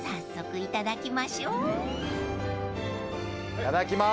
いただきます。